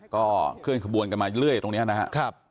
ก็เคลื่อนขบวนกันมาเรื่อยตรงนี้นะครับ